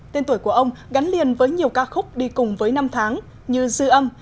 tên tuổi của ông gắn liền với nhiều ca khúc đi cùng với năm tháng như dư âm